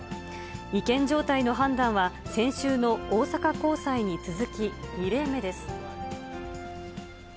違憲状態の判断は、先週の大阪高裁に続き、２例目です。